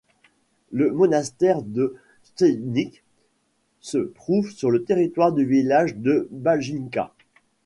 Le monastère de Stjenik se trouve sur le territoire du village de Banjica.